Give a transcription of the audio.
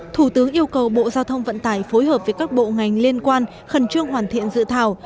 thủ tướng yêu cầu bộ giao thông vận tải phối hợp với các bộ ngành liên quan khẩn trương hoàn thiện dự thảo